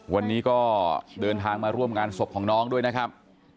วันนี้ก็เดินทางมาร่วมงานศพของน้องด้วยนะครับ